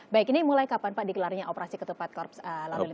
baik ini mulai kapan pak dikelarnya operasi ketupat korps lalu lintas